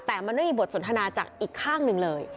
แต่มันไม่มีบทสนทนาจากอีกข้างหนึ่งเลย